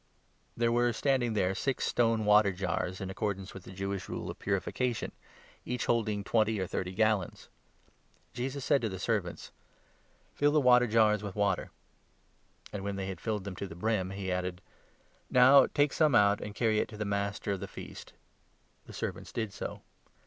5 There were standing there six stone water jars, in accordance 6 with the Jewish rule of ' purification,' each holding twenty or thirty gallons. Jesus said to the servants :" Fill the water jars with water; " 7 and, when they had filled them to the brim, he added : 8 "Now take some out, and carry it to the Master of the Feast." The servants did so.